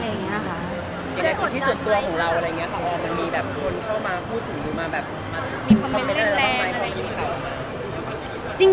แล้วที่ส่วนตัวของเราอะไรอย่างนี้ของอ้อมมันมีแบบคนเข้ามาพูดหรือมีคอมเม้นต์แรงอะไรอย่างนี้ค่ะ